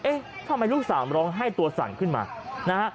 ทำไมลูกสาวร้องไห้ตัวสั่นขึ้นมานะฮะ